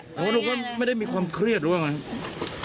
หรือว่าหนูก็ไม่ได้มีความเครียดหรือว่าไง